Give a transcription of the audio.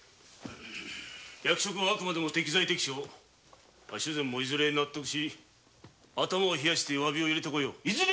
役職はあくまでも適材適所主膳もいずれは納得し頭を冷やして詫びを入れてこよう。